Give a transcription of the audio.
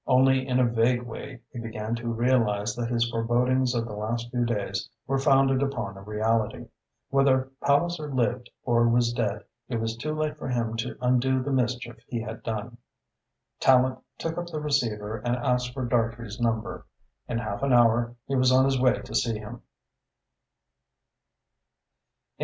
Only in a vague way he began to realise that his forebodings of the last few days were founded upon a reality. Whether Palliser lived or was dead, it was too late for him to undo the mischief he had done. Tallente took up the receiver and asked for Dartrey's number. In half an hour he was on his way to see him.